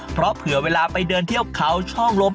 เพราะเผื่อเวลาไปเดินเที่ยวเขาช่องลม